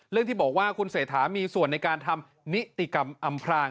ที่บอกว่าคุณเศรษฐามีส่วนในการทำนิติกรรมอำพราง